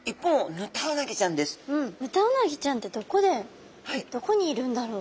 ヌタウナギちゃんってどこにいるんだろう？